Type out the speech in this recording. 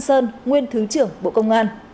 sơn nguyên thứ trưởng bộ công an